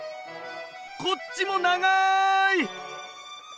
こっちも長い。